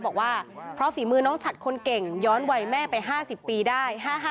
บอกว่าเพราะฝีมือน้องฉัดคนเก่งย้อนวัยแม่ไป๕๐ปีได้